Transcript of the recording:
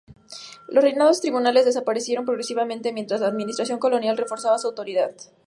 Los reinos tribales desaparecieron progresivamente, mientras la administración colonial reforzaba su autoridad.